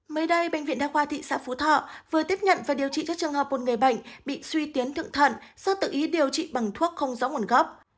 mới đây bệnh viện đa khoa thị xã phú thọ vừa tiếp nhận và điều trị cho trường hợp một người bệnh bị suy tiến thượng thận do tự ý điều trị bằng thuốc không rõ nguồn gốc